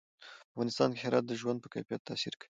په افغانستان کې هرات د ژوند په کیفیت تاثیر کوي.